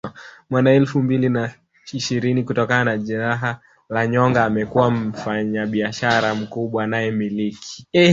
mwaka elfu mbili na ishirini kutokana na jeraha la nyonga amekuwa mfanyabishara mkubwa anayemiliki